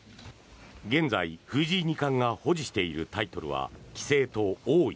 現在、藤井二冠が保持しているタイトルは棋聖と王位。